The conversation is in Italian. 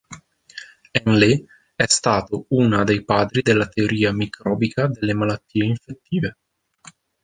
Henle è stato una dei padri della teoria microbica delle malattie infettive.